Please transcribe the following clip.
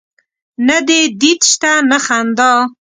نه دي دید سته نه خندا